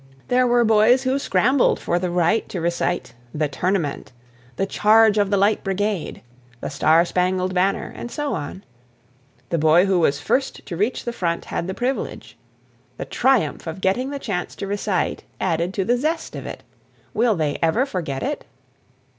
There were boys who scrambled for the right to recite "The Tournament," "The Charge of the Light Brigade," "The Star Spangled Banner," and so on. The boy who was first to reach the front had the privilege. The triumph of getting the chance to recite added to the zest of it. Will they ever forget it?